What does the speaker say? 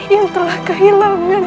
yang telah kehilangan